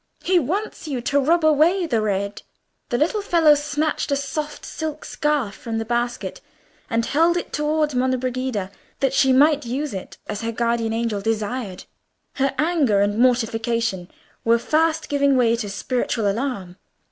He wants you to rub away the red." The little fellow snatched a soft silk scarf from the basket, and held it towards Monna Brigida, that she might use it as her guardian angel desired. Her anger and mortification were fast giving way to spiritual alarm.